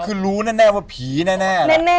คือรู้แน่ว่าผีแน่